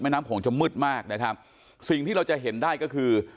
น้ำโขงจะมืดมากนะครับสิ่งที่เราจะเห็นได้ก็คือ